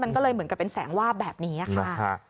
มันก็เลยเหมือนกับเป็นแสงวาบแบบนี้ค่ะ